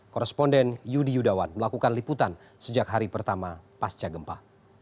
korresponden yudi yudawan melakukan liputan sejak hari pertama pasca gempa